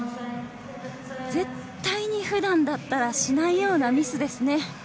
絶対に普段だったらしないようなミスですね。